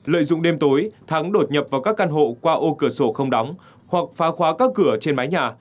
lợi dụng đêm tối thắng đột nhập vào các căn hộ qua ô cửa sổ không đóng hoặc phá khóa các cửa trên mái nhà